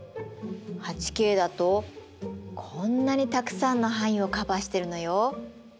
８Ｋだとこんなにたくさんの範囲をカバーしてるのよ。